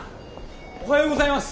おはようございます。